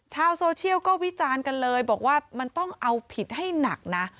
ชาวโซเชียลก็วิจารณ์กันเลยบอกว่ามันต้องเอาผิดให้หนักนะ